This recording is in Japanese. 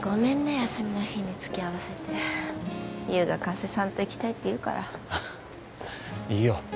休みの日につきあわせて優が加瀬さんと行きたいって言うからいいよ